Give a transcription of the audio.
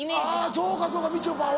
そうかそうかみちょぱは。